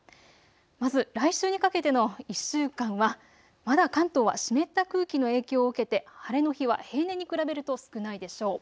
まず来週にかけての１週間はまだ関東は湿った空気の影響を受けて晴れの日は平年に比べると少ないでしょう。